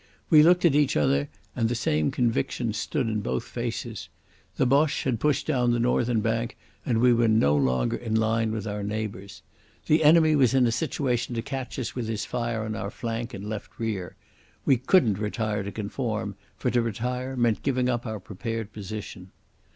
We looked at each other, and the same conviction stood in both faces. The Boche had pushed down the northern bank, and we were no longer in line with our neighbours. The enemy was in a situation to catch us with his fire on our flank and left rear. We couldn't retire to conform, for to retire meant giving up our prepared position.